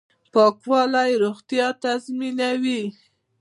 پاکوالی روغتیا تضمینوي